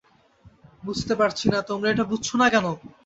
বুঝতে পারছি না তোমরা এটা বুঝছো না কেন।